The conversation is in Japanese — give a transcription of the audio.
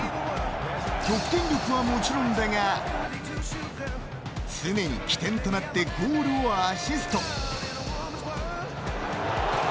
得点力はもちろんだが常に起点となってゴールをアシスト。